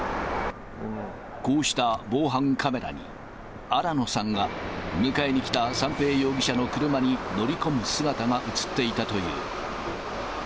こうした防犯カメラに新野さんが迎えに来た三瓶容疑者の車に乗り込む姿が写っていたという。